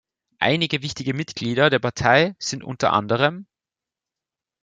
Einige wichtige Mitglieder der Partei sind unter anderem